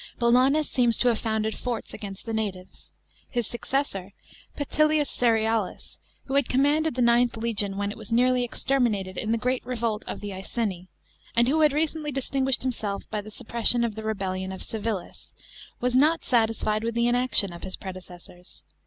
Bolanus seems to have founded forts against the natives. His successor, Petillius Cerealis, who had commanded the IXth legion when it was nearly exterminated in the great revolt of the Iceni, and who had recently distinguished himself by the suppression of the rebellion of Civilis, was not satisfied with the inaction of his predecessors.